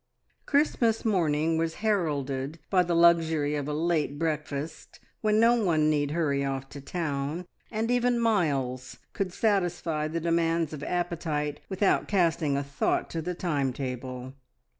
Christmas morning was heralded by the luxury of a late breakfast, when no one need hurry off to town, and even Miles could satisfy the demands of appetite without casting a thought to the time table.